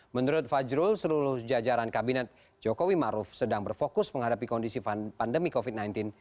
menurut fajrul seluruh jajaran kabinet jokowi maruf sedang berfokus menghadapi kondisi pandemi covid sembilan belas